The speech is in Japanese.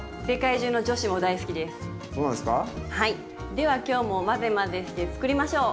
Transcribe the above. では今日も混ぜ混ぜして作りましょう。